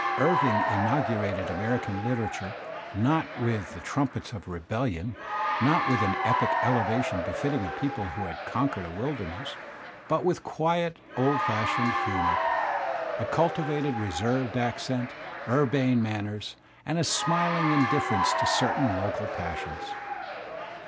Irving inaugurated American literature not with Digitized by Google 22 THE SPIRIT OP AMERICAN LITERATURE the trumpets of rebellion, not with an epic elevation befitting a people who had conquered a wilderness, but with quiet, ', old fashioned humour, a cultivated reserved accent, urbane manners, and a smiling indifference to certain local passions.